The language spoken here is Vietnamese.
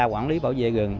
quản lý bảo vệ rừng